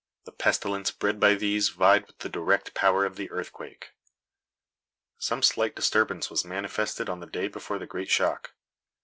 The pestilence bred by these vied with the direct power of the earthquake. Some slight disturbance was manifested on the day before the great shock.